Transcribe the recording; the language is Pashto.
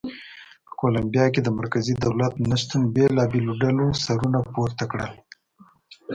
په کولمبیا کې د مرکزي دولت نه شتون بېلابېلو ډلو سرونه پورته کړل.